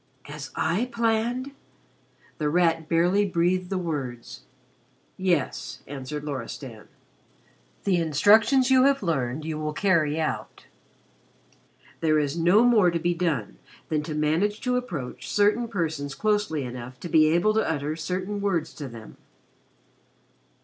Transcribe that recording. "As I planned?" The Rat barely breathed the words. "Yes," answered Loristan. "The instructions you have learned you will carry out. There is no more to be done than to manage to approach certain persons closely enough to be able to utter certain words to them."